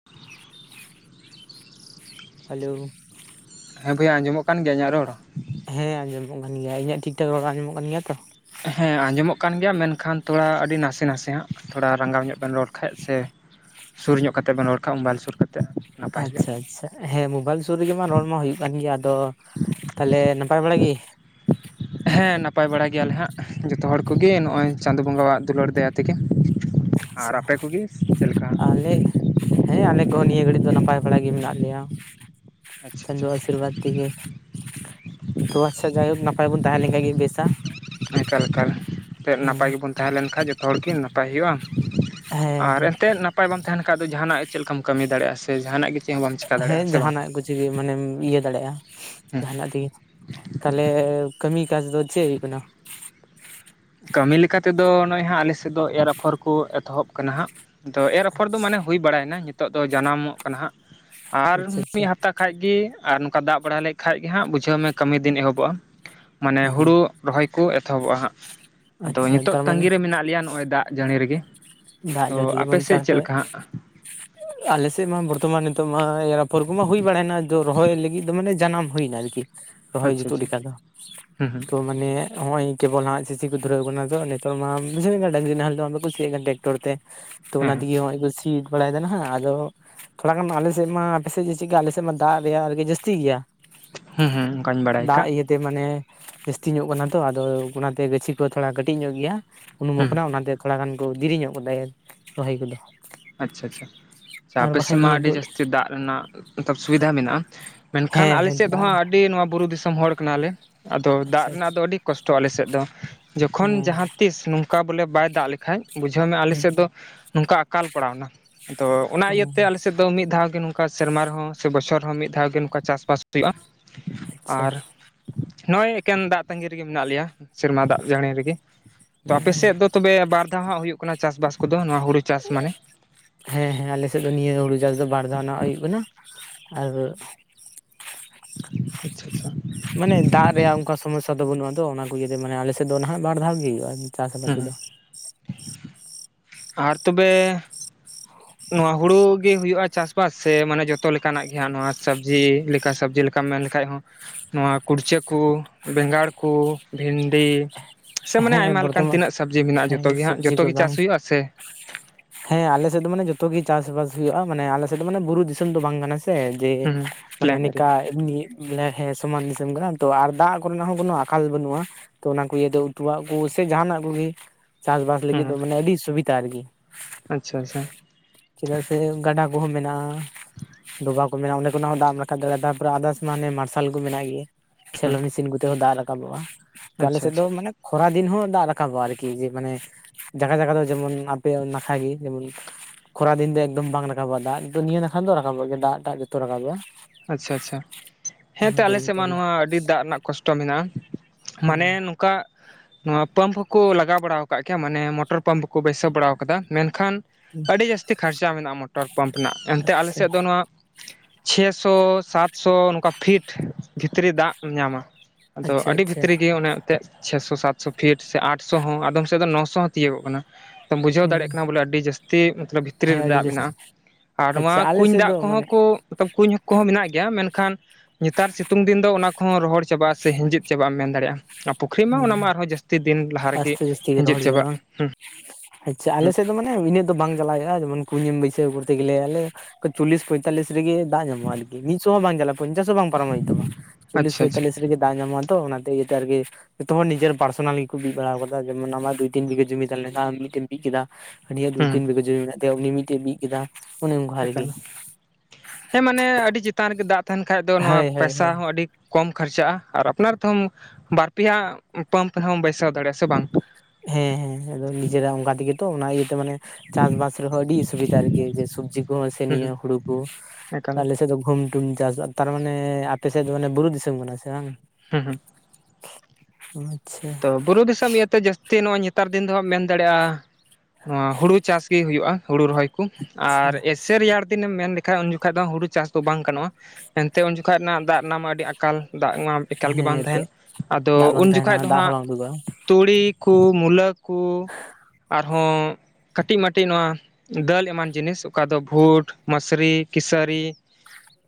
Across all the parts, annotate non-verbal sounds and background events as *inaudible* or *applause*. *inaudible* Hello ᱦᱮᱸ ᱵᱚᱭᱦᱟ ᱟᱸᱡᱚᱢᱚᱜ ᱠᱟᱱ ᱜᱮᱭᱟ ᱤᱧᱟᱹᱜ ᱨᱚᱲ? ᱦᱮᱸ ᱟᱸᱡᱚᱢᱚᱜ ᱠᱟᱱ ᱜᱮᱭᱟ ᱤᱧᱟᱹᱜ ᱴᱷᱤᱠ ᱴᱷᱟᱠ ᱨᱚᱲ ᱟᱸᱡᱚᱢᱚᱜ ᱠᱟᱱ ᱜᱮᱭᱟ ᱛᱚ? ᱦᱮᱸ ᱟᱸᱡᱚᱢᱚᱜ ᱠᱟᱱ ᱜᱮᱭᱟ ᱢᱮᱱᱠᱷᱟᱱ ᱛᱷᱳᱲᱟ ᱟᱹᱰᱤ ᱱᱟᱥᱮ ᱱᱟᱥᱮ ᱦᱟᱸᱜ ᱛᱷᱳᱲᱟ ᱨᱟᱸᱜᱟᱣ ᱧᱚᱜ ᱵᱮᱱ ᱨᱚᱲ ᱠᱷᱟᱡ ᱥᱮ ᱥᱩᱨ ᱧᱚᱜ ᱠᱟᱛᱮᱜ ᱵᱮᱱ ᱨᱚᱲᱟ ᱠᱷᱟᱡ ᱢᱳᱵᱟᱭᱤᱞ ᱥᱩᱨ ᱠᱟᱛᱮ ᱟᱪᱪᱷᱟ ᱟᱪᱪᱷᱟ ᱦᱮᱸ ᱢᱳᱵᱟᱭᱤᱞ ᱥᱩᱨ ᱨᱮᱜᱮ ᱢᱟ ᱨᱚᱲ ᱢᱟ ᱦᱩᱭᱩᱜ ᱠᱟᱱ ᱜᱮᱭᱟ ᱟᱫᱚ ᱛᱟᱦᱞᱮ ᱱᱟᱯᱟᱭ ᱵᱟᱲᱟ ᱜᱮ? ᱦᱮᱸ ᱱᱟᱯᱟᱭ ᱵᱟᱲᱟ ᱜᱮᱭᱟᱞᱮ ᱦᱟᱸᱜ ᱡᱚᱛᱚ ᱦᱚᱲ ᱠᱚᱜᱮ ᱱᱚᱜᱼᱚᱭ ᱪᱟᱸᱫᱳ ᱵᱚᱸᱜᱟᱣᱟᱜ ᱫᱩᱞᱟᱹᱲ ᱫᱟᱭᱟ ᱛᱮᱜᱮ ᱟᱨ ᱟᱪᱪᱷᱟ ᱟᱯᱮ ᱠᱚᱜᱮ ᱪᱮᱫ ᱞᱮᱠᱟ? ᱟᱞᱮ ᱦᱮᱸ ᱟᱞᱮ ᱠᱚᱦᱚᱸ ᱱᱤᱭᱟᱹ ᱜᱷᱟᱹᱲᱤᱡ ᱫᱚ ᱱᱟᱯᱟᱭ ᱵᱟᱲᱟ ᱜᱮ ᱢᱮᱱᱟᱜ ᱞᱮᱭᱟ ᱟᱪᱪᱷᱟ ᱟᱪᱪᱷᱟ ᱪᱟᱸᱫᱳᱣᱟᱜ ᱟᱥᱤᱨᱵᱟᱫᱽ ᱛᱮᱜᱮ ᱛᱚ ᱟᱪᱪᱷᱟ ᱡᱟᱭᱦᱳᱠ ᱱᱟᱯᱟᱭ ᱵᱚᱱ ᱛᱟᱦᱮᱸ ᱞᱮᱱᱠᱷᱟᱡ ᱜᱮ ᱵᱮᱥᱟ ᱮᱠᱟᱞ ᱮᱠᱟᱞ ᱮᱛᱮᱫ ᱦᱩᱸ, ᱱᱟᱯᱟᱭ ᱜᱮᱵᱚᱱ ᱛᱟᱦᱮᱸ ᱞᱮᱱᱠᱟᱱ ᱡᱚᱛᱚ ᱦᱚᱲᱜᱮ ᱱᱟᱯᱟᱭ ᱦᱩᱭᱩᱜᱼᱟ ᱦᱮᱸ ᱟᱨ ᱦᱮᱸ ᱮᱱᱛᱮᱫ ᱱᱟᱯᱟᱭ ᱵᱟᱢ ᱛᱟᱦᱮᱸᱱ ᱠᱷᱟᱡ ᱫᱚ ᱡᱟᱦᱟᱱᱟᱜ ᱪᱮᱫ ᱞᱮᱠᱟᱢ ᱠᱟᱹᱢᱤ ᱫᱟᱲᱮᱭᱟᱜᱼᱟ ᱥᱮ ᱡᱟᱦᱟᱱᱟᱜ ᱜᱮ ᱪᱮᱫ ᱦᱚᱸ ᱵᱟᱢ ᱪᱮᱠᱟ ᱫᱟᱲᱮᱭᱟᱜᱼᱟ ᱥᱮ ᱵᱟᱝ? ᱡᱟᱭᱦᱚᱠ ᱢᱟᱱᱮᱢ ᱤᱭᱟᱹ ᱫᱟᱲᱮᱜᱼᱟ ᱦᱮᱸ ᱡᱟᱦᱟᱱᱟᱜ ᱛᱮᱜᱮ ᱛᱟᱦᱚᱞᱮ ᱠᱟᱹᱢᱤ ᱠᱟᱡᱽ ᱫᱚ ᱪᱮᱫ ᱦᱩᱭᱩᱜ ᱠᱟᱱᱟ ᱠᱟᱹᱢᱤ ᱞᱮᱠᱟᱛᱮᱫᱚ ᱱᱚᱜᱼᱚᱭ ᱦᱟᱸᱜ ᱟᱞᱮ ᱥᱮᱫ ᱫᱚ ᱮᱨ ᱟᱯᱷᱚᱨ ᱠᱚ ᱮᱛᱚᱦᱚᱵ ᱠᱟᱱᱟ ᱦᱟᱸᱜ ᱟᱫᱚ ᱮᱨ ᱟᱯᱷᱚᱨ ᱫᱚ ᱢᱟᱱᱮ ᱦᱩᱭ ᱵᱟᱲᱟᱭᱮᱱᱟ ᱱᱤᱛᱚᱜ ᱫᱚ ᱡᱟᱱᱟᱢᱚᱜ ᱠᱟᱱᱟ ᱦᱟᱸᱜ ᱟᱨ ᱟᱪᱪᱷᱟ ᱟᱪᱪᱷᱟ ᱢᱤᱫ ᱦᱟᱯᱛᱟ ᱠᱷᱟᱡ ᱜᱮ ᱟᱨ ᱱᱚᱝᱠᱟ ᱫᱟᱜ ᱵᱟᱲᱟ ᱞᱮ ᱠᱷᱟᱡ ᱜᱮ ᱦᱟᱸᱜ ᱵᱩᱡᱷᱟᱹᱣ ᱢᱮ ᱠᱟᱹᱢᱤ ᱫᱤᱱ ᱮᱦᱚᱵᱚᱜᱼᱟ ᱢᱟᱱᱮ ᱦᱮᱸ ᱦᱮᱸ ᱦᱩᱲᱩ ᱨᱚᱦᱚᱭ ᱠᱚ ᱮᱛᱚᱦᱚᱵᱚᱜᱼᱟ ᱦᱟᱸᱜ ᱟᱫᱚ ᱟᱪᱪᱷᱟ ᱱᱤᱛᱚᱜ ᱛᱟᱨᱢᱟᱱᱮ ᱛᱟᱺᱜᱤ ᱨᱮ ᱢᱮᱱᱟᱜ ᱞᱮᱭᱟ ᱱᱚᱜᱼᱚᱭ ᱫᱟᱜ ᱡᱟᱹᱲᱤ ᱨᱮᱜᱮ ᱫᱟᱜ ᱛᱚ ᱡᱟᱹᱲᱤ ᱡᱮᱢᱚᱱ ᱟᱯᱮᱥᱮᱫ ᱪᱮᱫ ᱛᱟᱨᱯᱚᱨᱮ ᱞᱮᱠᱟ ᱦᱟᱸᱜ ᱟᱞᱮ ᱥᱮᱫ ᱢᱟ ᱵᱚᱨᱛᱚᱢᱟᱱ ᱱᱤᱛᱚᱜ ᱢᱟ ᱮᱨ ᱟᱯᱷᱚᱨ ᱠᱚ ᱦᱩᱭ ᱵᱟᱲᱟᱭᱮᱱᱟ ᱨᱚᱦᱚᱭ ᱞᱟᱹᱜᱤᱫ ᱫᱚ ᱢᱟᱱᱮ ᱡᱟᱱᱟᱢ ᱦᱩᱭᱱᱟ ᱟᱨᱠᱤ ᱨᱚᱦᱚᱭ ᱟᱪᱪᱷᱟ ᱡᱩᱛᱩᱜ ᱟᱪᱪᱷᱟ ᱞᱮᱠᱟ ᱫᱚ ᱦᱩᱸ ᱦᱩᱸ ᱛᱚ ᱢᱟᱱᱮ ᱱᱚᱜᱼᱚᱭ ᱮᱵᱚᱞ ᱦᱟᱸᱜ ᱥᱤ ᱠᱚ ᱫᱷᱩᱨᱟᱹᱣ ᱠᱟᱱᱟ ᱛᱚ ᱱᱤᱛᱚᱜ ᱢᱟ ᱵᱟᱹᱝᱨᱤ ᱱᱟᱦᱮᱞ ᱫᱚ ᱵᱟᱝ ᱠᱚ ᱥᱤᱭᱟᱹᱜ ᱠᱟᱱᱟ ᱴᱮᱠᱴᱚᱨ ᱛᱮ ᱛᱚ ᱦᱮᱸ ᱚᱱᱟ ᱦᱮᱸ ᱛᱮᱜᱮ ᱱᱚᱜᱼᱚᱭ ᱠᱚ ᱥᱤᱻ ᱵᱟᱲᱟᱭᱮᱫᱟ ᱦᱟᱸᱜ ᱟᱫᱚ ᱛᱷᱳᱲᱟ ᱜᱟᱱ ᱟᱞᱮ ᱥᱮᱫ ᱢᱟ ᱟᱯᱮᱥᱮᱫ ᱡᱮᱭᱥᱮ ᱠᱤ ᱟᱞᱮᱥᱮᱫ ᱢᱟ ᱫᱟᱜ ᱨᱮᱭᱟᱜ ᱟᱨᱤ ᱡᱟᱹᱥᱛᱤ ᱜᱮᱭᱟ ᱦᱩᱸ ᱦᱩᱸ ᱚᱱᱠᱟᱧ ᱵᱟᱲᱟᱭ ᱠᱟᱜ ᱛᱮ ᱢᱟᱱᱮ ᱡᱟᱹᱥᱛᱤ ᱧᱚᱜ ᱠᱟᱱᱟ ᱛᱚ ᱟᱫᱚ ᱚᱱᱟᱛᱮ ᱜᱟᱹᱪᱷᱤ ᱠᱚ ᱛᱷᱚᱲᱟ ᱠᱟᱴᱤᱡ ᱧᱚᱜ ᱜᱮᱭᱟ ᱩᱱᱩᱢᱚᱜ ᱦᱩᱸ ᱠᱟᱱᱟ ᱚᱱᱟᱛᱮ ᱛᱷᱚᱲᱟ ᱜᱟᱱ ᱠᱚ ᱫᱮᱨᱤ ᱧᱚᱜ ᱠᱟᱫᱟᱭ ᱨᱚᱦᱚᱭ ᱠᱚᱫᱚ ᱟᱪᱪᱷᱟ ᱟᱪᱪᱷᱟ ᱪᱷᱟ ᱟᱨ ᱟᱯᱮ ᱵᱟᱠᱷᱟᱱ ᱥᱮᱫ ᱢᱟ ᱱᱤᱭᱟᱹ ᱟᱹᱰᱤ ᱠᱚ ᱡᱟᱹᱥᱛᱤ ᱫᱟᱜ ᱨᱮᱱᱟᱜ ᱚᱛᱚᱵ ᱥᱩᱵᱤᱫᱷᱟ ᱢᱮᱱᱟᱜᱼᱟ ᱢᱮᱱᱠᱷᱟᱱ ᱦᱮᱸ ᱦᱮᱸ ᱟᱞᱮᱥᱮᱫ ᱫᱚ ᱫᱟᱜ ᱦᱟᱜ ᱟᱰᱤ ᱱᱚᱣᱟ ᱵᱩᱨᱩ ᱫᱤᱥᱚᱢ ᱦᱚᱲ ᱠᱟᱱᱟᱞᱮ ᱟᱫᱚ ᱫᱟᱜ ᱟᱪᱪᱷᱟ ᱟᱪᱪᱷᱟ ᱨᱮᱱᱟᱜ ᱫᱚ ᱟᱹᱰᱤ ᱠᱚᱥᱴᱚᱜ ᱟᱞᱮ ᱥᱮᱫ ᱫᱚ ᱡᱚᱠᱷᱚᱱ ᱦᱮᱸ ᱡᱟᱦᱟᱸ ᱛᱤᱥ ᱱᱚᱝ ᱚᱱᱠᱟ ᱵᱚᱞᱮ ᱵᱟᱭ ᱫᱟᱜ ᱞᱮᱠᱷᱟᱡ ᱵᱩᱡᱷᱟᱹᱣ ᱢᱮ ᱦᱮᱸ ᱟᱞᱮᱥᱮᱫ ᱫᱚ ᱱᱚᱝᱠᱟ ᱟᱠᱟᱞ ᱯᱟᱲᱟᱣᱱᱟ ᱟᱫᱚ ᱚᱱᱟ ᱚ ᱤᱭᱟᱹᱛᱮ ᱟᱞᱮᱥᱮᱫ ᱫᱚ ᱢᱤᱫ ᱫᱷᱟᱣ ᱜᱮ ᱱᱚᱝᱠᱟ ᱥᱮᱨᱢᱟ ᱨᱮᱦᱚᱸ ᱥᱮ ᱵᱚᱪᱷᱚᱨ ᱨᱮᱦᱚᱸ ᱢᱤᱫ ᱫᱷᱟᱣᱜ ᱜᱮ ᱱᱚᱝᱠᱟ ᱪᱟᱥᱵᱟᱥ ᱛᱩᱭᱩᱜ-ᱟ ᱟᱪᱪᱷᱟ ᱟᱨ ᱱᱚᱜᱼᱚᱭ ᱮᱠᱮᱱ ᱫᱟᱜ ᱛᱟᱸᱜᱤ ᱨᱮᱜᱮ ᱢᱮᱱᱟᱜ ᱞᱮᱭᱟ ᱥᱮᱨᱢᱟ ᱫᱟᱜ ᱡᱟᱹᱲᱤ ᱨᱮᱜᱮ ᱛᱚ ᱟᱯᱮ ᱥᱮᱫ ᱫᱚ ᱛᱚᱵᱮ ᱵᱟᱨ ᱫᱷᱟᱣ ᱦᱟᱸᱜ ᱦᱩᱭᱩᱜ ᱠᱟᱱᱟ ᱪᱟᱥᱼᱵᱟᱥ ᱠᱚᱫᱚ ᱱᱚᱣᱟ ᱦᱩᱲᱩ ᱪᱟᱥ ᱢᱟᱱᱮ ᱦᱮᱸ ᱦᱮᱸ ᱟᱞᱮᱥᱮᱫ ᱫᱚ ᱱᱤᱭᱟᱹ ᱦᱩᱲᱩ ᱪᱟᱥ ᱫᱚ ᱵᱟᱨ ᱫᱷᱟᱣ ᱱᱟᱜ ᱦᱩᱭᱩᱜ ᱠᱟᱱᱟ ᱟᱨ ᱟᱪᱪᱷᱟ ᱟᱪᱷᱟ ᱢᱟᱱᱮ ᱫᱟᱜ ᱨᱮᱭᱟᱜ ᱚᱱᱠᱟ ᱥᱚᱢᱚᱥᱥᱟ ᱫᱚ ᱵᱟᱹᱱᱩᱜᱼᱟ ᱟᱛᱚ ᱚᱱᱟ ᱠᱚ ᱤᱭᱟᱹᱛᱮ ᱢᱟᱱᱮ ᱟᱞᱮᱥᱮᱫ ᱫᱚ ᱱᱟᱦᱟᱜ ᱵᱟᱨ ᱫᱷᱟᱣ ᱜᱮ ᱦᱩᱭᱩᱜᱼᱟ ᱪᱟᱥ ᱟᱵᱟᱫᱽ ᱦᱩᱸ ᱦᱩᱸ ᱠᱚᱫᱚ ᱟᱨ ᱛᱚᱵᱮ ᱱᱚᱣᱟ ᱦᱩᱲᱩ ᱜᱤ ᱦᱳᱭᱳᱜᱼᱟ ᱪᱟᱥ ᱵᱟᱥ ᱥᱮ ᱢᱟᱱᱮ ᱡᱚᱛᱚ ᱞᱮᱠᱟᱱᱟᱜ ᱜᱮ ᱦᱟᱸᱜ ᱱᱚᱣᱟ ᱥᱚᱵᱽᱡᱤ ᱞᱮᱠᱟ ᱥᱚᱵᱡᱤ ᱞᱮᱠᱟ ᱠᱟᱢ ᱢᱮᱱ ᱞᱮᱠᱷᱟᱡ ᱦᱚᱸ ᱱᱚᱣᱟ ᱠᱩᱲᱪᱟᱹ ᱠᱚ ᱵᱮᱸᱜᱟᱲ ᱠᱚ ᱵᱷᱮᱱᱰᱤ ᱥᱮ ᱢᱟᱱᱮ ᱦᱮᱸ ᱟᱭᱢᱟ ᱞᱮᱠᱟᱱ ᱵᱚᱨᱛᱚᱢᱟᱱ ᱛᱤᱱᱟᱹᱜ ᱥᱚᱵᱽᱡᱤ ᱢᱮᱱᱟᱜᱼᱟ ᱦᱮᱸ ᱡᱚᱛᱚ ᱜᱮ ᱦᱟᱜ ᱥᱚᱵᱽᱡᱤ ᱡᱚᱛᱚ ᱠᱚ ᱜᱮ ᱵᱟᱝ ᱪᱟᱥ ᱦᱩᱭᱩᱜᱼᱟ ᱥᱮ *unintelligible* ᱦᱮᱸ ᱟᱞᱮᱥᱮᱫ ᱫᱚ ᱢᱟᱱᱮ ᱡᱚᱛᱚ ᱜᱮ ᱪᱟᱥᱵᱟᱥ ᱦᱩᱭᱩᱜᱼᱟ ᱢᱟᱱᱮ ᱟᱞᱮᱥᱮᱫ ᱫᱚ ᱢᱟᱱᱮ ᱵᱩᱨᱩ ᱫᱤᱥᱚᱢ ᱫᱚ ᱵᱟᱝ ᱠᱟᱱᱟ ᱥᱮ ᱡᱮ ᱦᱩᱸ ᱢᱟᱱᱮ ᱯᱞᱮᱱ ᱨᱮ ᱱᱮᱠᱟ ᱱᱮ ᱦᱮᱸ ᱥᱚᱢᱟᱱ ᱫᱤᱥᱚᱢ ᱠᱟᱱᱟ ᱛᱚ ᱟᱨ ᱫᱟᱜ ᱠᱚᱨᱮᱱᱟᱜ ᱦᱚᱸ ᱠᱳᱱᱚ ᱟᱠᱟᱞ ᱵᱟᱱᱩᱜᱼᱟ ᱛᱚ ᱚᱱᱟ ᱠᱚ ᱤᱭᱟᱹ ᱫᱚ ᱴᱚᱣᱟᱜ ᱠᱚ ᱥᱮ ᱡᱟᱦᱟᱱᱟᱜ ᱠᱚᱜᱮ ᱪᱟᱥᱵᱟᱥ ᱞᱟᱹᱜᱤᱫ ᱦᱩᱸ ᱫᱚ ᱢᱟᱱᱮ ᱟᱹᱰᱤ ᱥᱩᱵᱤᱫᱷᱟ ᱟᱨᱠᱤ ᱟᱪᱪᱷᱟ ᱟᱪᱪᱷᱟ ᱪᱮᱫᱟᱜ ᱥᱮ ᱜᱟᱰᱟ ᱠᱚᱦᱚᱸ ᱢᱮᱱᱟᱜᱼᱟ ᱰᱚᱵᱷᱟ ᱠᱚ ᱢᱮᱱᱟᱜᱼᱟ ᱚᱸᱰᱮ ᱠᱷᱚᱱᱟᱜ ᱦᱚᱸ ᱫᱟᱜ ᱮᱢ ᱨᱟᱠᱟᱵ ᱫᱟᱲᱮᱭᱟᱜᱼᱟ ᱛᱟᱨᱯᱚᱨᱮ ᱟᱫᱟᱥ ᱢᱟᱱᱮ ᱢᱟᱨᱥᱟᱞ ᱠᱚ ᱢᱮᱱᱟᱜ ᱜᱮᱭᱟ ᱪᱷᱮᱞᱳ ᱦᱩᱸ ᱢᱤᱥᱤᱱ ᱠᱚᱛᱮ ᱦᱚᱸ ᱫᱟᱜ ᱨᱟᱠᱟᱵᱚᱜᱼᱟ ᱛᱚ ᱟᱪᱪᱷᱟ ᱟᱞᱮᱥᱮᱫ ᱫᱚ ᱟᱪᱪᱷᱟ ᱢᱟᱱᱮ ᱠᱷᱚᱨᱟ ᱫᱤᱱ ᱦᱚᱸ ᱫᱟᱜ ᱨᱟᱠᱟᱵᱚᱜ ᱟᱨᱠᱤ ᱡᱮ ᱢᱟᱱᱮ ᱡᱟᱭᱜᱟ ᱡᱟᱭᱜᱟ ᱫᱚ ᱡᱮᱢᱚᱱ ᱟᱯᱮ ᱱᱟᱠᱷᱟ ᱡᱮᱢᱚᱱ ᱠᱷᱚᱨᱟ ᱫᱤᱱ ᱫᱚ ᱮᱠᱫᱚᱢ ᱵᱟᱝ ᱨᱟᱠᱟᱵᱚᱜᱼᱟ ᱫᱟᱜ ᱱᱤᱭᱟᱹ ᱱᱟᱠᱷᱟᱱ ᱫᱚ ᱨᱟᱠᱟᱵᱚᱜ ᱜᱮ ᱫᱟᱜ ᱴᱟᱜ ᱡᱚᱛᱚ ᱨᱟᱠᱟᱵᱚᱜᱼᱟ᱾ ᱟᱪᱪᱷᱟ ᱟᱪᱪᱷᱟ ᱦᱮᱸᱛᱚ ᱟᱞᱮ ᱥᱮᱫ ᱢᱟ ᱱᱚᱣᱟ ᱟᱰᱤ ᱫᱟᱜ ᱨᱮᱱᱟᱜ ᱠᱚᱥᱴᱚ ᱢᱮᱱᱟᱜᱼᱟ ᱦᱩᱸ ᱢᱟᱱᱮᱼᱼ ᱚᱠᱟᱼᱼ ᱱᱚᱣᱟ ᱯᱟᱢᱯ ᱦᱚᱸᱠᱚ ᱞᱟᱜᱟᱣ ᱵᱟᱲᱟ ᱟᱠᱟᱫ ᱜᱮᱭᱟ ᱢᱟᱱᱮ ᱢᱚᱴᱚᱨ ᱯᱟᱢᱯᱠᱚ ᱵᱟᱹᱭᱥᱟᱹᱣ ᱵᱟᱲᱟ ᱟᱠᱟᱫᱟ ᱢᱮᱱᱠᱷᱟᱱᱼᱼ ᱟᱹᱰᱤ ᱡᱟᱹᱥᱛᱤ ᱠᱷᱚᱨᱪᱟ ᱢᱮᱱᱟᱜᱼᱟ ᱢᱚᱴᱚᱨ ᱯᱟᱢᱯ ᱨᱮᱱᱟᱜ ᱮᱱᱛᱮ ᱟᱞᱮ ᱟᱪᱪᱷᱟ ᱥᱮᱫ ᱫᱚ ᱱᱚᱣᱟ ᱪᱷᱮᱼᱼ ᱥᱟᱛᱥᱚ ᱱᱚᱝᱠᱟ ᱯᱷᱤᱴ ᱵᱷᱤᱛᱨᱤ ᱫᱟᱜ ᱮᱢ ᱧᱟᱢᱟ᱾ ᱟᱫᱚ ᱟᱪᱪᱷᱟ ᱟᱰᱤ ᱟᱪᱪᱷᱟ ᱵᱷᱤᱛᱨᱤ ᱜᱮ ᱚᱱᱮ ᱮᱱᱛᱜ ᱪᱷᱮᱥᱚ ᱥᱟᱛᱥᱚ ᱯᱷᱤᱴ ᱥᱮ ᱟᱴᱥᱚ ᱦᱚᱸ ᱟᱫᱚᱢ ᱥᱮᱫ ᱫᱚ ᱱᱚ ᱥᱚ᱾ ᱛᱤᱭᱳᱟᱹᱜᱚᱜ ᱠᱟᱱᱟ ᱛᱚᱢ ᱵᱩᱡᱷᱟᱹᱣ ᱦᱮᱸ ᱫᱟᱲᱮᱭᱟᱜ ᱠᱟᱱᱟ ᱵᱚᱞᱮ ᱟᱰᱤ ᱡᱟᱥᱛᱤ ᱢᱚᱛᱞᱚᱵ ᱵᱷᱤᱛᱨᱤ ᱦᱮᱸ ᱨᱮ ᱟᱹᱰᱤ ᱫᱟᱜ ᱡᱟᱹᱥᱛᱤ ᱢᱮᱱᱟᱜᱼᱟ᱾ ᱟᱨ ᱱᱚᱣᱟ ᱟᱪᱪᱷᱟ ᱟᱞᱮ ᱠᱩᱧ ᱥᱮᱫ ᱫᱟᱜ ᱫᱚ ᱠᱚᱦᱚᱸ ᱢᱟᱱᱮ ᱠᱚ ᱠᱩᱧ ᱦᱚᱸᱼᱼ ᱠᱚᱦᱚᱸ ᱢᱮᱱᱟᱜ ᱜᱮᱭᱟ ᱢᱮᱱᱠᱷᱟᱱ ᱱᱮᱛᱟᱨ ᱥᱤᱛᱩᱝ ᱫᱤᱱ ᱫᱚ ᱚᱱᱟ ᱠᱚᱦᱚᱸ ᱨᱚᱦᱚᱲ ᱪᱟᱵᱟᱜᱼᱟ ᱥᱮ ᱦᱤᱸᱡᱤᱫ ᱪᱟᱵᱟᱜ ᱮᱢ ᱢᱮᱱᱟ ᱫᱟᱲᱮᱭᱟᱜᱼᱟ᱾ ᱟᱨ ᱯᱩᱠᱷᱨᱤ ᱢᱟ ᱦᱩᱸ ᱚᱱᱟ ᱢᱟ ᱟᱨᱦᱚᱸ ᱡᱟᱹᱥᱛᱤ ᱫᱤᱱ ᱞᱟᱦᱟ ᱨᱮᱜᱮ ᱟᱥᱛᱮ ᱡᱟᱹᱥᱛᱤ ᱜᱮ ᱦᱤᱸᱡᱮᱫ ᱨᱚᱦᱚᱲ ᱦᱩᱭᱩᱜᱼᱟ ᱪᱟᱵᱟᱜ ᱼᱼ ᱵᱟᱝ ᱟᱪᱪᱷᱟ ᱟᱞᱮ ᱥᱮᱫ ᱫᱚ ᱢᱟᱱᱮ ᱤᱱᱟᱹᱜ ᱫᱚ ᱵᱟᱝ ᱡᱟᱞᱟᱣ ᱦᱩᱭᱩᱜᱼᱟ ᱡᱮᱢᱚᱱ ᱠᱩᱧᱮᱢ ᱵᱟᱹᱭᱥᱟᱹᱣ ᱠᱚᱨᱛᱮ ᱜᱮᱞᱮ ᱟᱞᱮᱼᱼ ᱚᱱᱠᱟ ᱪᱚᱞᱞᱤᱥ ᱯᱚᱭᱛᱟᱞᱞᱤᱥ ᱨᱮᱜᱮ ᱫᱟᱜ ᱧᱟᱢᱚᱜᱼᱟ ᱟᱨᱠᱤ ᱢᱤᱫ ᱥᱚ ᱦᱚᱸ ᱵᱟᱝ ᱡᱟᱞᱟᱜ᱾ ᱯᱚᱧᱪᱟᱥ ᱦᱚᱸ ᱵᱟᱝ ᱯᱟᱨᱚᱢᱚᱜ ᱦᱩᱭᱩᱜ ᱛᱟᱢᱟ ᱪᱚᱞᱞᱤᱥ ᱟᱪᱪᱷᱟ ᱟᱪᱪᱷᱟ ᱯᱚᱸᱭᱛᱟᱞᱞᱤᱥ ᱨᱮᱜᱮ ᱫᱟᱜ ᱧᱟᱢᱚᱜᱼᱟ ᱛᱚ ᱚᱱᱟᱛᱮ ᱤᱭᱟᱹ ᱛᱮ ᱟᱨᱠᱤᱼᱼ ᱡᱚᱛᱚ ᱦᱚᱲ ᱱᱤᱡᱮᱨ ᱯᱟᱨᱥᱚᱱᱟᱞ ᱜᱮᱠᱚ ᱵᱤᱫ ᱵᱟᱲᱟ ᱟᱠᱟᱫᱟ ᱡᱮᱢᱚᱱ ᱟᱢᱟᱜ ᱫᱩᱭ ᱛᱤᱱ ᱵᱤᱜᱷᱟᱹ ᱡᱩᱢᱤ ᱛᱟᱦᱮᱸ ᱞᱮᱱᱠᱷᱟᱱ ᱢᱤᱫᱴᱮᱱ᱾ ᱵᱤᱫ ᱠᱮᱫᱟ ᱦᱟᱱᱤᱭᱟᱜ ᱫᱩᱭ ᱦᱩᱸ ᱛᱤᱱ ᱵᱤᱜᱷᱟ ᱡᱚᱢᱤ ᱢᱮᱱᱟᱜ ᱛᱟᱭᱟ ᱩᱱᱤ ᱢᱤᱫᱴᱮᱡ ᱵᱤᱫ ᱠᱮᱫᱟ᱾ ᱚᱱᱮ ᱚᱱᱠᱟ ᱮᱠᱟᱞ ᱟᱨᱠᱤ ᱦᱮᱸ ᱢᱟᱱᱮ ᱟᱰᱤ ᱪᱮᱛᱟᱱ ᱨᱮᱜᱮ ᱫᱟᱜ ᱛᱟᱦᱮᱱ ᱠᱷᱟᱡ ᱫᱚ ᱱᱚᱣᱟ ᱦᱳᱭ ᱦᱳᱭ ᱦᱳᱭ ᱯᱚᱭᱥᱟ ᱦᱚᱸ ᱟᱰᱤᱼᱼ ᱠᱚᱢ ᱠᱷᱚᱨᱪᱟᱜᱼᱟ ᱟᱨ ᱟᱯᱱᱟᱨ ᱛᱮᱦᱚᱸ ᱵᱟᱨ ᱯᱮᱭᱟ ᱯᱟᱢᱯ ᱨᱮᱦᱚᱢ ᱵᱟᱹᱭᱥᱟᱣ ᱫᱟᱲᱮᱭᱟᱜᱼᱟ ᱥᱮ ᱵᱟᱝᱼᱼ ᱦᱮᱸ ᱦᱮᱸ ᱟᱫᱚ ᱱᱤᱡᱮᱨᱟᱜ ᱚᱱᱠᱟ ᱛᱮᱜᱮ ᱛᱚ ᱚᱱᱟ ᱤᱭᱟᱹᱛᱮ ᱢᱟᱱᱮᱼᱼ ᱪᱟᱥᱵᱟᱥ ᱨᱮᱦᱚᱸ ᱟᱹᱰᱤ ᱥᱩᱵᱤᱫᱟ ᱟᱨᱠᱤ ᱡᱮ ᱥᱚᱵᱡᱤ ᱠᱚᱦᱚᱸ ᱥᱮ ᱦᱩᱸ ᱱᱤᱭᱟᱹ ᱦᱩᱸ ᱦᱩᱲᱩ ᱠᱚ ᱮᱠᱟᱞ ᱟᱦᱞᱮᱥᱮᱫ ᱫᱚ ᱜᱩᱢᱼᱼ ᱛᱩᱢ ᱪᱟᱥ ᱛᱟᱨ ᱢᱟᱱᱮ ᱟᱯᱮ ᱥᱮᱫ ᱫᱚ ᱢᱟᱱᱮ ᱵᱩᱨᱩ ᱫᱤᱥᱚᱢ ᱠᱟᱱᱟ ᱥᱮ ᱦᱟᱝ? ᱦᱩᱸ ᱦᱩᱸ ᱟᱪᱪᱷᱟ ᱛᱚ ᱵᱩᱨᱩ ᱫᱤᱥᱚᱢ ᱤᱭᱟᱹᱛᱮ ᱡᱟᱹᱥᱛᱤ ᱱᱚᱜ-ᱚᱭ ᱱᱮᱛᱟᱨ ᱫᱤᱱ ᱫᱚ ᱦᱚᱸ ᱮᱢ ᱢᱮᱱ ᱫᱟᱲᱮᱭᱟᱜ-ᱟ᱾ ᱱᱚᱣᱟ ᱦᱩᱲᱩ ᱪᱟᱥ ᱜᱮ ᱦᱩᱭᱩᱜ-ᱟ ᱦᱩᱲᱩ ᱨᱚᱦᱚᱭ ᱠᱚ ᱟᱪᱪᱷᱟ ᱟᱨ ᱮᱥ ᱥᱮ ᱨᱮᱭᱟᱲ ᱫᱤᱱ ᱮᱢ ᱢᱮᱱ ᱞᱮᱠᱷᱟᱱ ᱩᱱ ᱡᱚᱠᱷᱟᱡ ᱫᱚ ᱦᱩᱲᱩ ᱪᱟᱥ ᱫᱚ ᱵᱟᱝ ᱜᱟᱱᱚᱜ-ᱟ ᱮᱱᱛᱮ ᱩᱱ ᱡᱚᱠᱷᱟᱱ ᱚᱱᱟ ᱫᱟᱜ ᱨᱮᱱᱟᱜ ᱢᱟ ᱟᱹᱰᱤ ᱟᱠᱟᱞ ᱫᱟᱜ ᱢᱟ ᱮᱠᱟᱞ ᱜᱮ ᱦᱮᱸ ᱵᱟᱝ ᱛᱟᱦᱮᱱ ᱮᱱᱛᱮᱫ ᱟᱫᱚ ᱫᱟᱜ ᱵᱟᱝ ᱩᱱ ᱛᱟᱦᱮᱱᱟ ᱡᱚᱠᱷᱟᱡ ᱫᱚ ᱦᱟᱸᱜ *inaudible* ᱛᱩᱲᱤ ᱠᱩ ᱢᱩᱞᱟᱹ ᱠᱩ ᱟᱨᱦᱚᱸ ᱠᱟᱹᱴᱤᱡ ᱢᱟᱹᱴᱤᱡ ᱱᱚᱣᱟ ᱫᱟᱹᱞ ᱮᱢᱟᱱ ᱡᱤᱱᱤᱥ ᱚᱠᱟ ᱫᱚ ᱵᱷᱩᱴ ᱢᱟᱹᱥᱨᱤ ᱠᱤᱥᱟᱹᱨᱤ